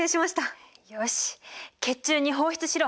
よし血中に放出しろ。